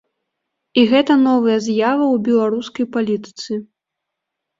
І гэта новая з'ява ў беларускай палітыцы.